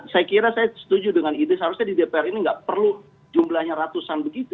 saya kira saya setuju dengan ide seharusnya di dpr ini nggak perlu jumlahnya ratusan begitu